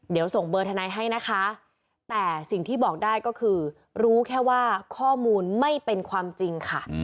เดี๋ยวส่งเบอร์ทนายให้นะคะแต่สิ่งที่บอกได้ก็คือรู้แค่ว่าข้อมูลไม่เป็นความจริงค่ะ